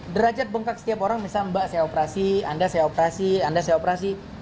derajat bengkak setiap orang misal mbak saya operasi anda saya operasi anda saya operasi